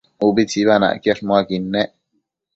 Ubi tsinanacquiash muaquid nec